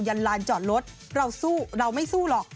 ลานจอดรถเราสู้เราไม่สู้หรอก